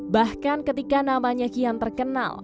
bahkan ketika namanya kian terkenal